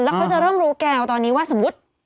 เราก็จะเริ่มรู้แกวตอนนี้ว่าสมมติ